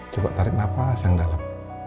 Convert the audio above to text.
coba tarik nafas yang dalam